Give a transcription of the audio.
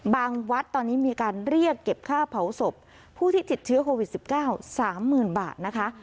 บางวัดตอนนี้มีการเรียกเก็บค่าเผาศพผู้ที่ถิดเชื้อโควิดสิบเก้าสามหมื่นบาทนะคะ